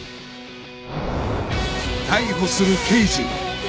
逮捕する刑事